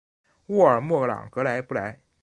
沃尔默朗格莱布莱。